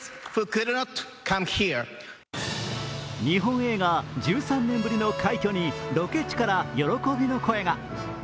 日本映画１３年ぶりの快挙にロケ地から喜びの声が。